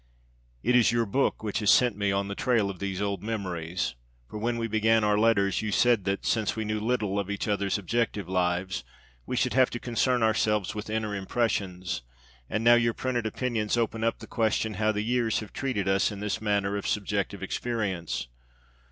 It is your book which has set me on the trail of these old memories. For when we began our letters you said that, since we knew little of each other's objective lives, we should have to concern ourselves with inner impressions; and now your printed opinions open up the question how the years have treated us in this matter of subjective experience.